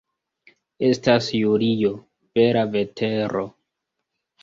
Estas julio, bela vetero.